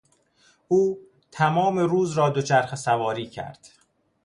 او تمام روز را دوچرخه سواری کرد.